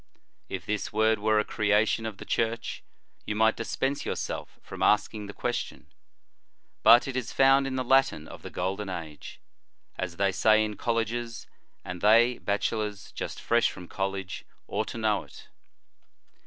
If this word were a creation of the Church, you might dispense yourself from asking the question, but it is found in the Latin of the Golden Age, as they say in colleges, and they, bachelors just fresh from college, ought to know it.